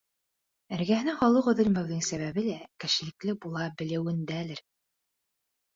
Эргәһенән халыҡ өҙөлмәүҙең сәбәбе лә кешелекле була белеүендәлер.